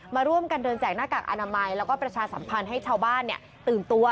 มาร่วมกันเดินแจกหน้ากากอนามัยแล้วก็ประชาสัมพันธ์ให้ชาวบ้านตื่นตัว